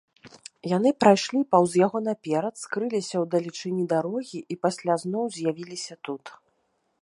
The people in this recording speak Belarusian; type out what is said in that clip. Яны прайшлі паўз яго наперад, скрыліся ў далечыні дарогі і пасля зноў з'явіліся тут.